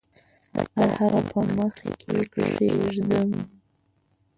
د هغه په مخ کې کښېږدم